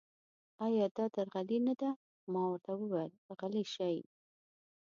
ایا دا درغلي نه ده؟ ما ورته وویل: غلي شئ.